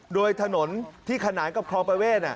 โดยถนนที่ขนานกับคลองประเวท